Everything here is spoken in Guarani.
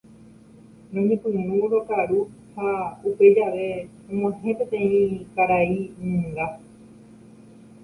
Roñepyrũ rokaru ha upe jave og̃uahẽ peteĩ karainunga.